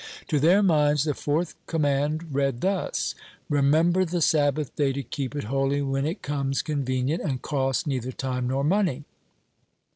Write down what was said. To their minds the fourth command read thus: "Remember the Sabbath day to keep it holy when it comes convenient, and costs neither time nor money."